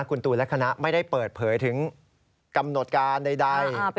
คุณตูนและคณะไม่ได้เปิดเผยถึงกำหนดการใด